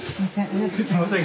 すいません